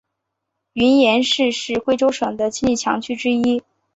云岩区是贵阳市的经济强区之一。